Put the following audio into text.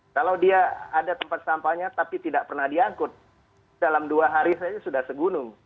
kalau dia ada tempat sampahnya tapi tidak pernah diangkut dalam dua hari saja sudah segunung